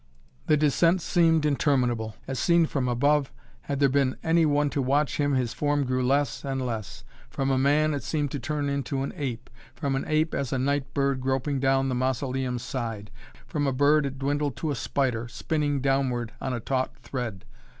The descent seemed interminable. As seen from above, had there been any one to watch him, his form grew less and less. From a man it seemed to turn into an ape; from an ape as a night bird groping down the Mausoleum's side; from a bird it dwindled to a spider, spinning downward on a taut thread.